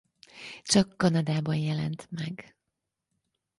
Csak Kanadában jelent meg.